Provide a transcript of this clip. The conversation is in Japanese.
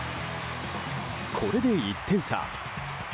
これで１点差。